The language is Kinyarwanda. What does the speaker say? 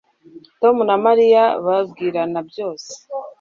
Tom na Mariya babwirana byose